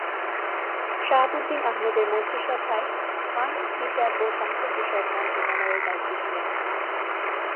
শাহাবুদ্দিন আহমেদের মন্ত্রিসভায় আইন, বিচার ও সংসদ বিষয়ক মন্ত্রণালয়ের দায়িত্বে ছিলেন।